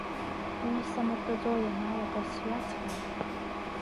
Уи самыртәаӡо ианалага, сҩаҵҟьан.